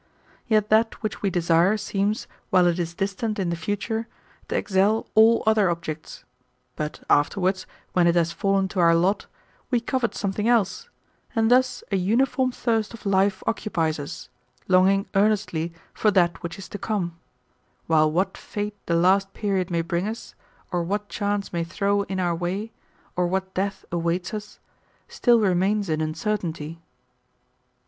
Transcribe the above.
Yet that which we desire, seems, 144 LUCRETIUS. b. hi. 1096 1107. while it is distant in the future^ to excel all other objects ; hu afterwards, when it has fallen to our lot, we covet some thing else ; and thus a uniform thirst of life occupies us, long ing earnestly for that which is to come ; while what fate the last period may bring us, or what chance may throw in our way, or what death awaits us, still remains in uncertainty.